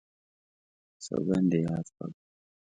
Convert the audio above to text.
سوګند یې یاد کړ.